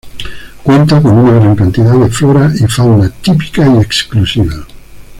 Cuenta con una gran cantidad de flora y fauna típica y exclusiva.